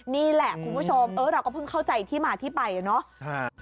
นี่แหละคุณผู้ชมเออเราก็เพิ่งเข้าใจที่มาที่ไปอะเนาะ